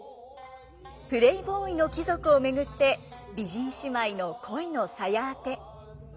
プレーボーイの貴族を巡って美人姉妹の恋のさや当て。